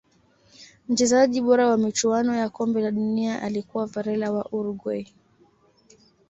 mchezaji bora wa michuano ya kombe la dunia alikuwa varela wa Uruguay